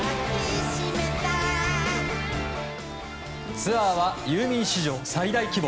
ツアーはユーミン史上最大規模